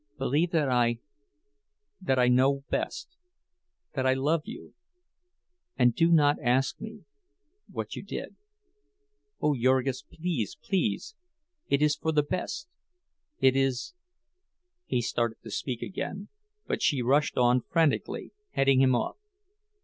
"Believe that I—that I know best—that I love you! And do not ask me—what you did. Oh, Jurgis, please, please! It is for the best—it is—" He started to speak again, but she rushed on frantically, heading him off.